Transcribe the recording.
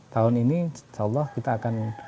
tahun ini insya allah kita akan